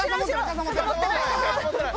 傘持ってない！